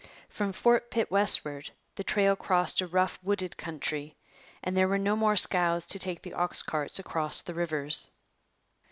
From Fort Pitt westward the trail crossed a rough, wooded country, and there were no more scows to take the ox carts across the rivers.